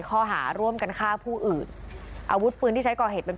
ข้อหาร่วมกันฆ่าผู้อื่นอาวุธปืนที่ใช้ก่อเหตุเป็น